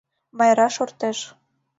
Майра шортеш.